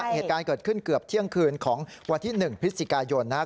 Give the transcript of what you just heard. ใช่เหตุการณ์เกิดขึ้นเกือบเที่ยงคืนของวันที่หนึ่งพฤษฐกายนนะฮะ